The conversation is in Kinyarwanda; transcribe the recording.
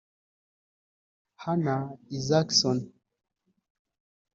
Hanna Isaksson